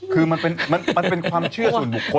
คือมันเป็นความเชื่อส่วนบุคคล